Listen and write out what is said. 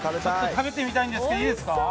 食べてみたいんですけどいいですか。